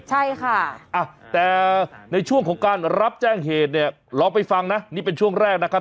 ใช่ค่ะแต่ในช่วงของการรับแจ้งเหตุเนี่ยลองไปฟังนะนี่เป็นช่วงแรกนะครับ